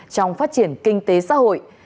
trong phát triển kinh tế xã hội